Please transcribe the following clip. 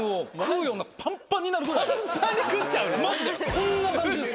こんな感じです。